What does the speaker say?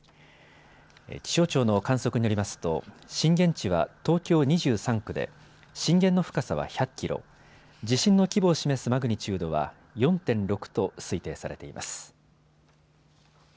気象庁の観測によりますと、震源地は東京２３区で震源の深さは１００キロ、地震の規模を示すマグニチュードは４．６と推定されています。